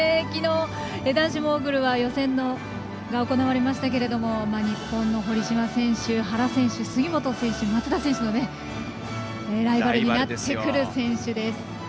きのう、男子モーグルは予選が行われましたけれども日本の堀島選手原選手、杉本選手松田選手のライバルになってくる選手です。